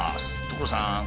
所さん！